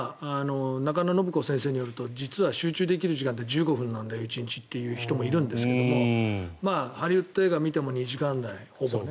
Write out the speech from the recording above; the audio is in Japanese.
中野信子先生によると実は集中できる時間って１５分なんだよ、１日っていう人もいるんですけどハリウッド映画を見ても２時間台ほぼね。